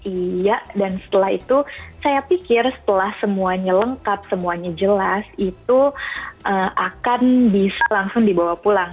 iya dan setelah itu saya pikir setelah semuanya lengkap semuanya jelas itu akan bisa langsung dibawa pulang